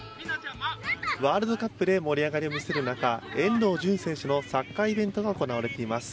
ワールドカップで盛り上がりを見せる中遠藤純選手のサッカーイベントが行われています。